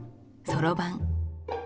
そろばん